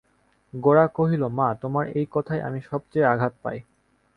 গোরা কহিল, মা, তোমার এই কথায় আমি সব চেয়ে আঘাত পাই।